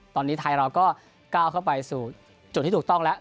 ตอนนี้ไทยเราก็ก้าวเข้าไปสู่จุดที่ถูกต้องแล้ว